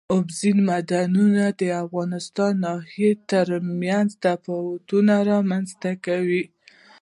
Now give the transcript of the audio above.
اوبزین معدنونه د افغانستان د ناحیو ترمنځ تفاوتونه رامنځ ته کوي.